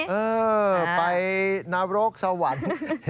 เออไปนรกสวรรค์